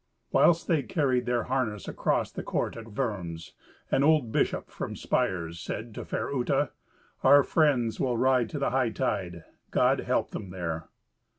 Whilst they carried their harness across the court at Worms, an old bishop from Spires said to fair Uta, "Our friends will ride to the hightide. God help them there."